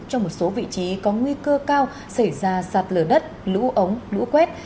trong một số vị trí có nguy cơ cao xảy ra sạt lở đất lũ ống lũ quét